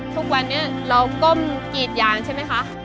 ทุกวันนี้เราก้มกีดยางใช่ไหมคะ